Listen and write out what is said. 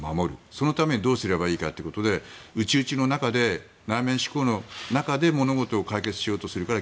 そのためにどうすればいいかということで内々の中で、内面思考の中で物事を解決しようとするから